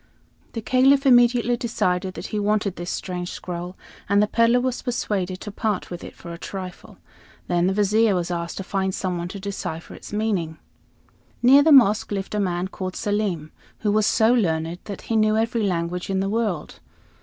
The Caliph immediately decided that he wanted this strange scroll, and the peddler was persuaded to part with it for a trifle. Then the Vizier was asked to find some one to decipher its meaning. Near the mosque lived a man called Selim, who was so learned that he knew every language in the world.